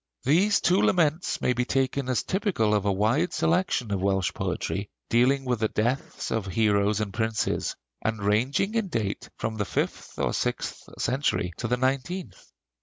These two laments may be taken as typical of a wide section of Welsh poetry, dealing with the deaths of heroes and princes, and ranging in date from the fifth or sixth century to the nineteenth.